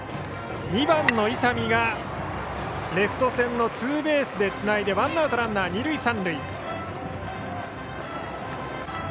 ２番の伊丹がレフト線のツーベースでつないでワンアウト、ランナー、二塁三塁。